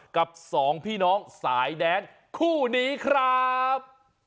กับสองพี่น้องสายแดนคู่นี้ครับ